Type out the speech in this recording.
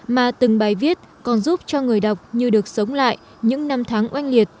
mà từng bài viết còn giúp cho người đọc như được sống lại những năm tháng oanh liệt